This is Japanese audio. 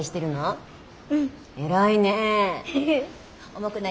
重くない？